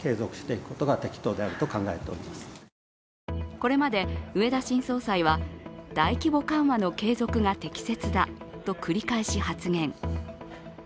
これまで、植田新総裁は大規模緩和の継続が適切だと繰り返し発言。